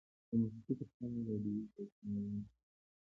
د موسیقي ترڅنګ راډیو سیاسي معلومات خپرول.